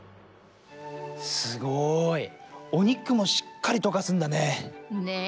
すごい！おにくもしっかりとかすんだね。